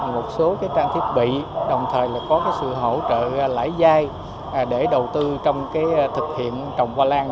một số trang thiết bị đồng thời có sự hỗ trợ lãi giai để đầu tư trong thực hiện trồng hoa lan